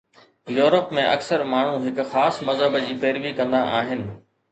Europe ۾ اڪثر ماڻهو هڪ خاص مذهب جي پيروي ڪندا آهن.